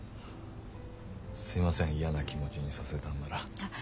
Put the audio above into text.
すいません嫌な気持ちにさせたんなら。